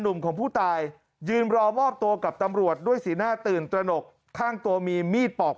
หนุ่มของผู้ตายยืนรอมอบตัวกับตำรวจด้วยสีหน้าตื่นตระหนกข้างตัวมีมีดปอก